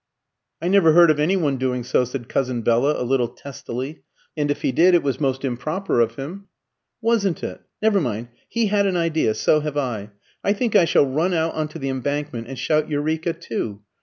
"I never heard of any one doing so," said Cousin Bella, a little testily; "and if he did, it was most improper of him." "Wasn't it? Never mind; he had an idea, so have I. I think I shall run out on to the Embankment and shout 'Eureka' too.